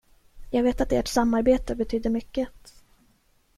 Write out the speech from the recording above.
Jag vet att ert samarbete betydde mycket.